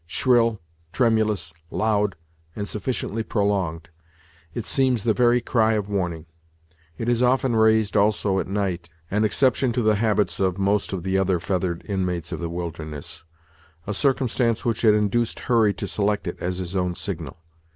Shrill, tremulous, loud, and sufficiently prolonged, it seems the very cry of warning. It is often raised, also, at night, an exception to the habits of most of the other feathered inmates of the wilderness; a circumstance which had induced Hurry to select it as his own signal.